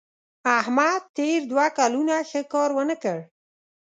احمد تېر دوه کلونه ښه کار ونه کړ.